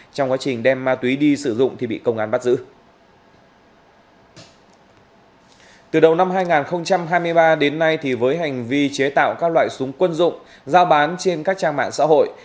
từ đầu năm hai nghìn hai mươi ba đến nay với hành vi chế tạo các loại súng quân dụng giao bán trên các trang mạng xã hội